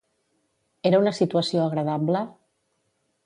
Era una situació agradable?